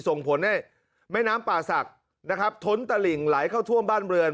ส่งผลให้แม่น้ำป่าศักดิ์นะครับท้นตะหลิ่งไหลเข้าท่วมบ้านเรือน